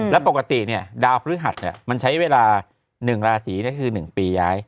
แล้วปกติเนี่ยดาวพฤหัสเนี่ยมันใช้เวลา๑ราศีเนี่ยคือ๑ปีย้าย